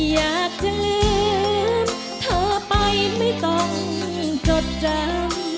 อยากจะลืมเธอไปไม่ต้องจดจำ